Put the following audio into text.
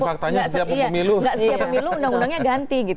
tidak setiap pemilu undang undangnya ganti